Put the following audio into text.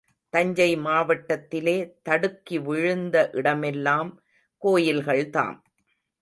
தஞ்சை மாவட்டத்திலே தடுக்கி விழுந்த இடமெல்லாம் கோயில்கள்தாம்.